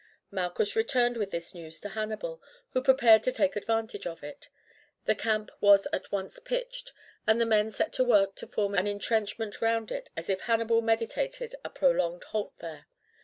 Malchus returned with this news to Hannibal, who prepared to take advantage of it. The camp was at once pitched, and the men set to work to form an intrenchment round it as if Hannibal meditated a prolonged halt there.